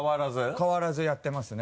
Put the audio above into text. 変わらずやってますね。